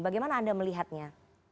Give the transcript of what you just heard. bagaimana anda melihatnya